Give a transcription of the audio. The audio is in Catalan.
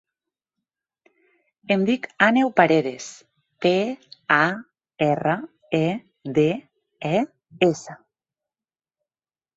Em dic Àneu Paredes: pe, a, erra, e, de, e, essa.